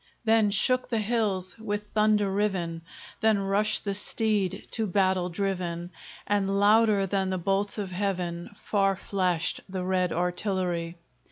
Then shook the hills with thunder riven, Then rushed the steed to battle driven, And louder than the bolts of heaven Far flashed the red artillery.